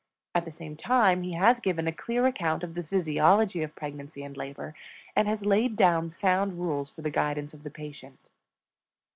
At the same time he has given a clear account of the physiology of pregnancy and labor, and has laid down sound rules for the guidance of the patient.